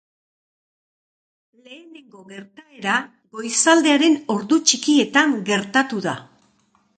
Lehenengo gertaera goizaldearen ordu txikietan gertatu da.